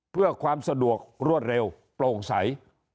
เพื่อความสะดวกรวดเร็วโปร่งใส